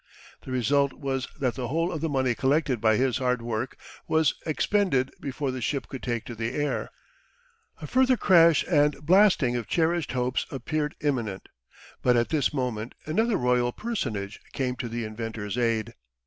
The result was that the whole of the money collected by his hard work was expended before the ship could take to the air. A further crash and blasting of cherished hopes appeared imminent, but at this moment another Royal personage came to the inventor's aid.